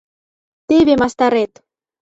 — Теве мастарет!